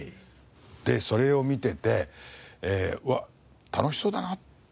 でそれを見ててうわっ楽しそうだなって。